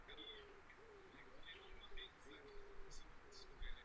Oblast je vyhlášena přírodní památkou.